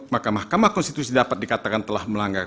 maka mahkamah konstitusi dapat dikatakan telah melanggar